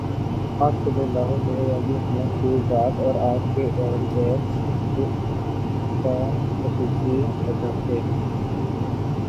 آپﷺ کی ذات اور آپ کے اہل بیت اس کاخصوصی ہدف تھے۔